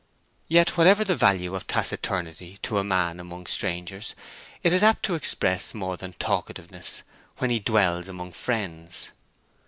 Yet whatever the value of taciturnity to a man among strangers, it is apt to express more than talkativeness when he dwells among friends.